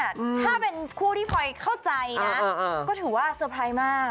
ถ้าเป็นคู่ที่พลอยเข้าใจนะก็ถือว่าเซอร์ไพรส์มาก